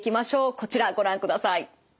こちらご覧ください。